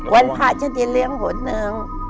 วันพระฉันจะเลี้ยงหนหนึ่ง